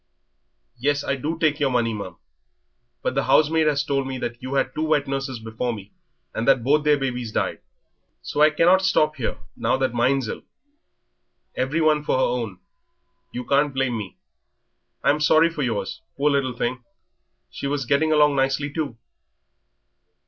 "Yes, I do take your money, ma'am. But the housemaid has told me that you had two wet nurses before me, and that both their babies died, so I cannot stop here now that mine's ill. Everyone for her own; you can't blame me. I'm sorry for yours poor little thing, she was getting on nicely too."